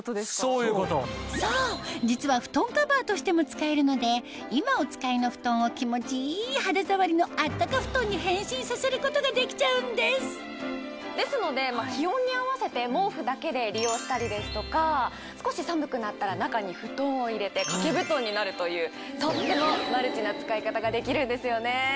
そう実は布団カバーとしても使えるので変身させることができちゃうんですですので気温に合わせて毛布だけで利用したりですとか少し寒くなったら中に布団を入れて掛け布団になるというとってもマルチな使い方ができるんですよね。